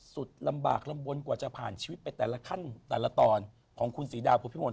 สุดลำบากลำบลกว่าจะผ่านชีวิตไปแต่ละขั้นแต่ละตอนของคุณศรีดาพุทธิมล